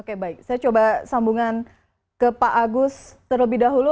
oke baik saya coba sambungan ke pak agus terlebih dahulu